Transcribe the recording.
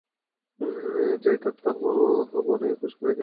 যাই থাক তার মনে, কুসুমের কী আসিয়া যায়?